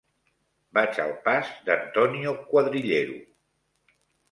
Vaig al pas d'Antonio Cuadrillero.